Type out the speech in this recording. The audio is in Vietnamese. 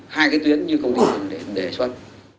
hai cái tuyến như công ty đề xuất